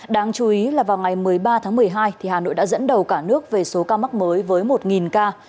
đáng chú ý là vào ngày một mươi ba tháng một mươi hai hà nội đã dẫn đầu cả nước về số ca mắc mới với một ca